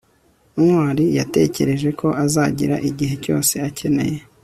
ntwali yatekereje ko azagira igihe cyose akeneye